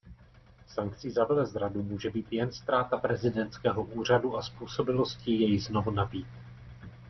Sankcí za velezradu může být jen ztráta prezidentského úřadu a způsobilosti jej znovu nabýt.